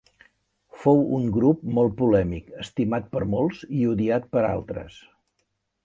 Fou un grup molt polèmic, estimat per molts i odiat per altres.